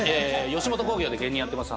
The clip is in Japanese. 吉本興業で芸人やってます。